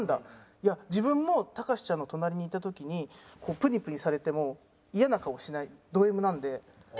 いや自分もたかしちゃんの隣にいた時にプニプニされても嫌な顔しないドＭなんで。